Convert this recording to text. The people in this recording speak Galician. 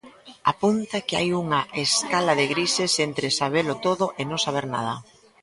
Apunta que hai unha "escala de grises" entre "sabelo todo e non saber nada".